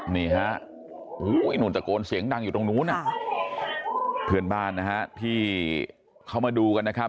นี่ฮะไอ้นู่นตะโกนเสียงดังอยู่ตรงนู้นเพื่อนบ้านนะฮะที่เข้ามาดูกันนะครับ